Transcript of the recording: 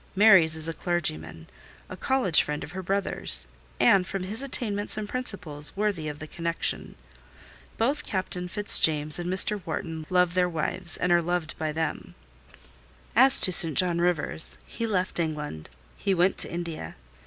Mary's is a clergyman, a college friend of her brother's, and, from his attainments and principles, worthy of the connection. Both Captain Fitzjames and Mr. Wharton love their wives, and are loved by them. As to St. John Rivers, he left England: he went to India.